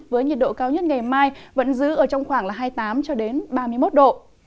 với nhiệt độ cao nhất ngày mai vẫn giữ ở trong khoảng hai mươi tám ba mươi một độ